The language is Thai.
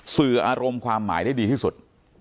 สื่ออารมณ์ความหมายได้ดีที่สุด